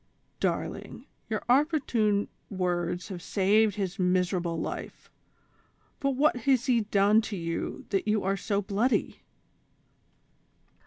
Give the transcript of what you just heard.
"Darling, your opportune words have saved his miser able life ; but what has he done t9 you that you are so bloody?"